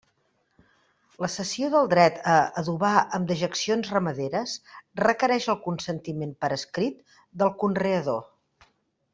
La cessió del dret a adobar amb dejeccions ramaderes requereix el consentiment per escrit del conreador.